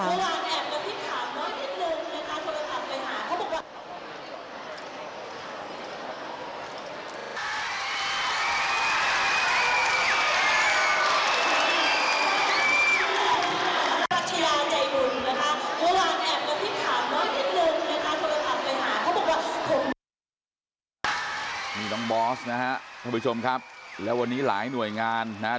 นี่น้องบอสนะฮะท่านผู้ชมครับแล้ววันนี้หลายหน่วยงานนะฮะ